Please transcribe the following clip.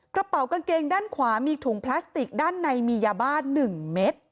กระเป๋ากางเกงด้านขวามีถุงพลาสติกด้านในมียาบ้า๑เม็ด